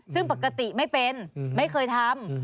ซึ่งปกติไม่เป็นไม่เคยทำ